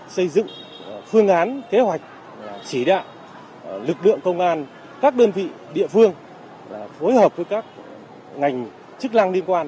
xây dựng phương án kế hoạch chỉ đạo lực lượng công an các đơn vị địa phương phối hợp với các ngành chức năng liên quan